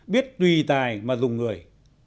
biết tùy tài mà dùng người